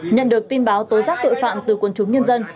nhận được tin báo tối giác tội phạm từ quân chúng nhân dân